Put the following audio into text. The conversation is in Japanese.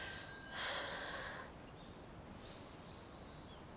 はあ。